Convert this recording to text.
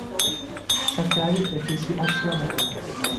Sakai est aussi archer amateur.